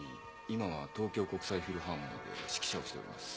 今は東京国際フィルハーモニーで指揮者をしております。